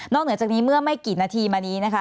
เหนือจากนี้เมื่อไม่กี่นาทีมานี้นะคะ